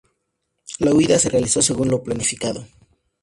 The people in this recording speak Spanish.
La huida se realizó según lo planificado.